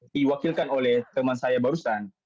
diwakilkan oleh teman saya barusan